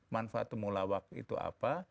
manfaat temulawak itu apa